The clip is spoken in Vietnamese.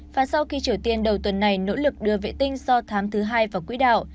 và sau khi triều tiên đầu tuần này nỗ lực đưa vệ tinh do thám thứ hai vào quỹ đạo